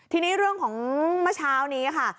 ทีนี้เรื่องของเมื่อเช้านี้ค่ะ